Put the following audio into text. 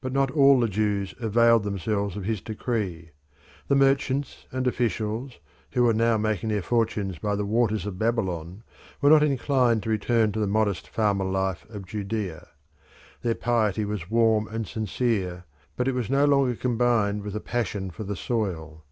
But not all the Jews availed themselves of his decree. The merchants and officials who were now making their fortunes by the waters of Babylon were not inclined to return to the modest farmer life of Judea. Their piety was warm and sincere, but it was no longer combined with a passion for the soil.